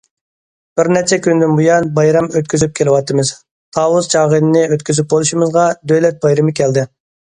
بىر نەچچە كۈندىن بۇيان، بايرام ئۆتكۈزۈپ كېلىۋاتىمىز، تاۋۇز چاغىنىنى ئۆتكۈزۈپ بولۇشىمىزغا دۆلەت بايرىمى كەلدى.